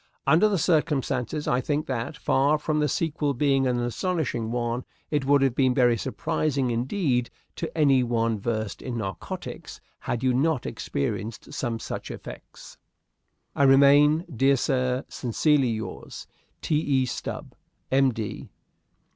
"Under the circumstances, I think that, far from the sequel being an astonishing one, it would have been very surprising indeed to any one versed in narcotics had you not experienced some such effects. I remain, dear sir, sincerely yours, "T. E. Stube, M. D.